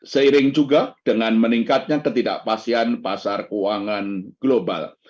seiring juga dengan meningkatnya ketidakpastian pasar keuangan global